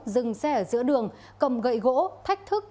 dừng xe ở giữa đường cầm gậy gỗ thách thức